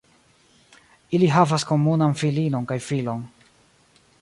Ili havas komunan filinon kaj filon.